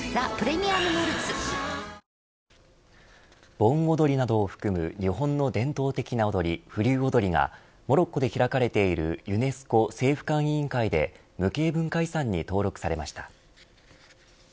盆踊りなどを含む日本の伝統的な踊り風流踊がモロッコで開かれているユネスコ政府間委員会で無形文化遺産に登録されました。